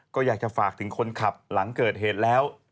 ก็อยากจะฝากถึงคนขับหลังเกิดเหตุแล้ว